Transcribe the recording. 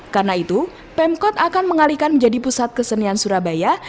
karena itu pemkot akan mengalihkan menjadi pusat kesenian surabaya